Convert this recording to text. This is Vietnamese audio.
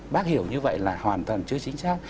bác hiểu như vậy là hoàn toàn chưa chính xác